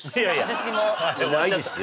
私もないですよ